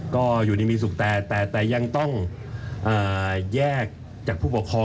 ก็อยู่ดีมีสุขแต่ยังต้องแยกจากผู้ปกครอง